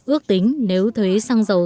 ước tính nếu thuế sang dầu